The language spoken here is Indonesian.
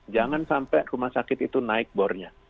jangan sampai rumah sakit itu naik bornya